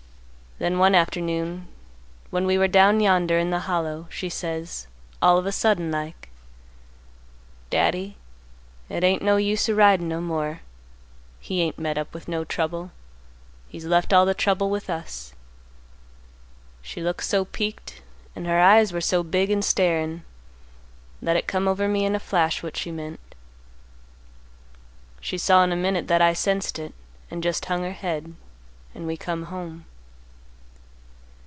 Then one afternoon when we were down yonder in the Hollow, she says, all of a sudden like, 'Daddy, it ain't no use a ridin' no more. He ain't met up with no trouble. He's left all the trouble with us.' She looked so piqued and her eyes were so big and starin' that it come over me in a flash what she meant. She saw in a minute that I sensed it, and just hung her head, and we come home.